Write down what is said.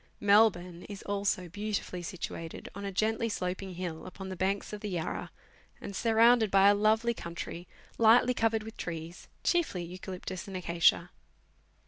Melbourne is also beautifully situated on a geutly sloping hill, upon the banks of the Yarra, and surrounded by a lovely country, lightly covered with trees, chiefly eucalyptus and acacia.